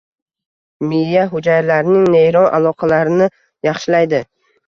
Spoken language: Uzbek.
miya hujayralarining neyron aloqalarini yaxshilaydi.